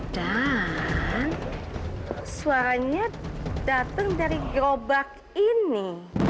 dan suaranya datang dari gerobak ini